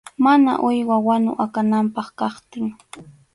Mana uywa wanu akananpaq kaptin.